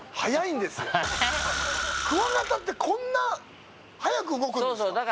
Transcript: クワガタって、こんな早く動くんですか。